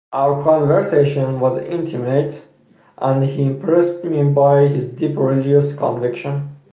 Our conversation was intimate and he impressed me by his deep religious conviction.